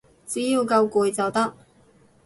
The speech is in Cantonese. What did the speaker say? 只要夠攰就得